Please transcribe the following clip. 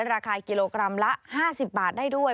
ราคากิโลกรัมละ๕๐บาทได้ด้วย